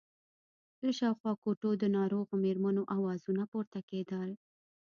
له شاوخوا کوټو د ناروغو مېرمنو آوازونه پورته کېدل.